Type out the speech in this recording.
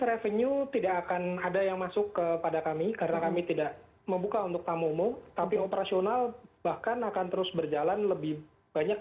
kalau tidak menghasilkan bernama gasi lagu tersebut akan menghubungi penduduk di rumah dalam ternyata